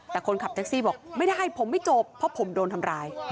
แต่คนขับแท็กซี่บอกไม่ได้ผมไม่จบเพราะผมโดนทำร้าย